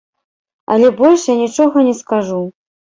Але больш я нічога не скажу.